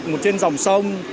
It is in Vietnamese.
một trên dòng sông